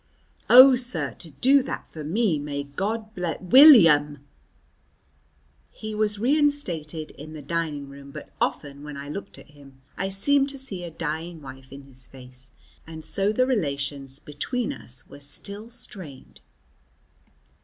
"Oh, sir, to do that for me! May God bl " "William." He was reinstated in the dining room, but often when I looked at him I seemed to see a dying wife in his face, and so the relations between us were still strained.